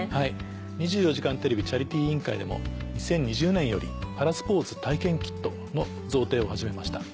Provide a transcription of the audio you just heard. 「２４時間テレビチャリティー委員会」でも２０２０年よりパラスポーツ体験キットの贈呈を始めました。